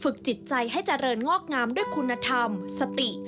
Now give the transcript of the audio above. จิตใจให้เจริญงอกงามด้วยคุณธรรมสติ